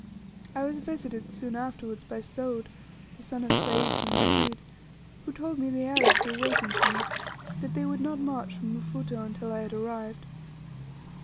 I was visited soon afterwards by Soud, the son of Sayd bin Majid, who told me the Arabs were waiting for me; that they would not march from Mfuto until I had arrived.